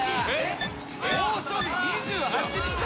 猛暑日２８日。